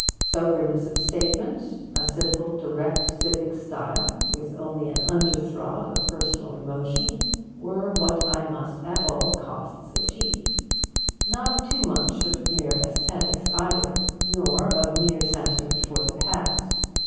Soberness of statement, a simple, direct, civic style, with only an underthrob of personal emotion, were what I must at all costs achieve. Not too much of mere aesthetics, either, nor of mere sentiment for the past.